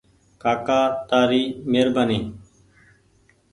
ڪآڪآ تآري مهربآني۔